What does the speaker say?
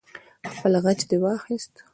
خپل غچ دې واخست.